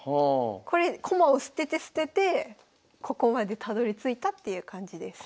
これ駒を捨てて捨ててここまでたどりついたっていう感じです。